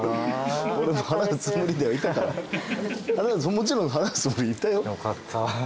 もちろん払うつもりでいたよ。